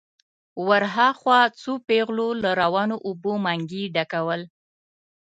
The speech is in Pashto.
ور هاخوا څو پېغلو له روانو اوبو منګي ډکول.